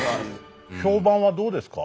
評判はどうですか？